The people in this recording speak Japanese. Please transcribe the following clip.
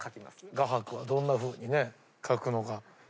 画伯はどんなふうに描くのか。